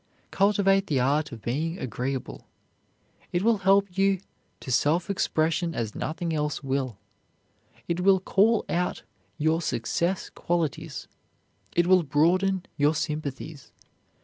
Cultivate the art of being agreeable. It will help you to self expression as nothing else will; it will call out your success qualities; it will broaden your sympathies.